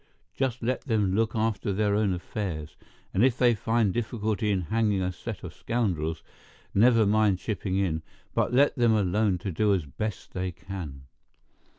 Just you let them look after their own affairs; and if they find difficulty in hanging a set of scoundrels, never mind chipping in, but let them alone to do as best they can.